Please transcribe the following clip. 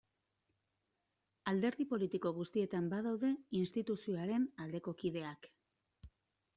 Alderdi politiko guztietan badaude instituzioaren aldeko kideak.